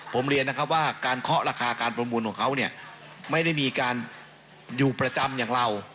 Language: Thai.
ผมเรียนนะครับว่าการเคาะราคาการประมูลของเขาเนี่ยไม่ได้มีการอยู่ประจำอย่างเรา